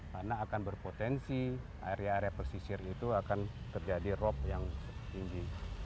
karena akan berpotensi area area pesisir itu akan terjadi rop yang tinggi